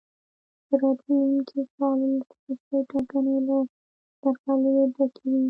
د راتلونکي کال ولسمشرۍ ټاکنې له درغلیو ډکې وې.